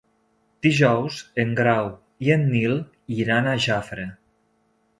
Dijous en Grau i en Nil iran a Jafre.